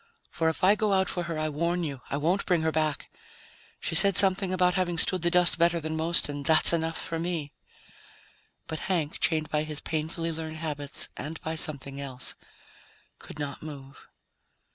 "For if I go out for her, I warn you I won't bring her back. She said something about having stood the dust better than most, and that's enough for me." But Hank, chained by his painfully learned habits and by something else, could not move.